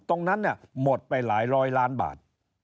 ตรงนั้นหมดไปหลายร้อยล้านบาท